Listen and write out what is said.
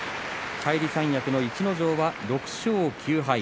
返り三役の逸ノ城は６勝９敗。